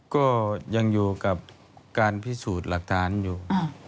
ก็ยังอยู่กับการพิสูจน์หลักฐานอยู่